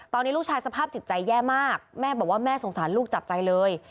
ตอนนี้ลูกชายสภาพจิตใจแย่มากแม่บอกว่าแม่สงสารลูกจับใจเลย